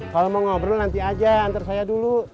kalau mau ngobrol nanti aja antar saya dulu